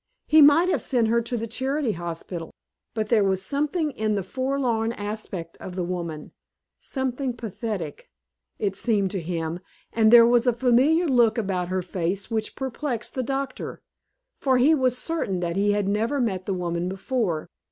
He might have sent her to the Charity Hospital, but there was something in the forlorn aspect of the woman something pathetic, it seemed to him and there was a familiar look about her face which perplexed the doctor, for he was certain that he had never met the woman before.